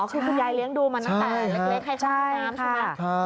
คือคุณยายเลี้ยงดูมาตั้งแต่เล็กให้เข้าห้องน้ำใช่ไหม